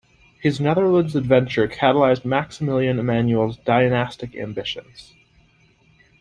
His Netherlands adventure catalyzed Maximilian Emanuel's dynastic ambitions.